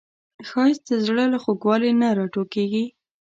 ښایست د زړه له خوږوالي نه راټوکېږي